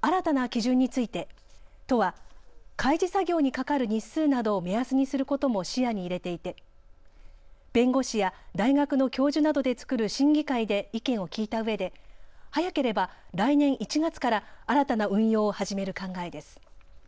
新たな基準について都は開示作業にかかる日数などを目安にすることも視野に入れていて弁護士や大学の教授などで作る審議会で意見を聞いたうえで早ければ来年１月から新たな運用を始める考えです。